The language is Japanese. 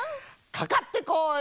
かかってこい！